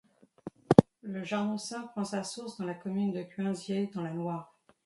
Le Jarnossin prend sa source sur la commune de Cuinzier dans la Loire.